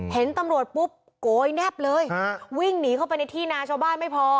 เห็นตำรวจปุ๊บโกยแนบเลยวิ่งหนีเข้าไปในที่นาชาวบ้านไม่พอ